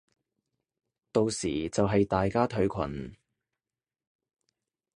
到時就係大家退群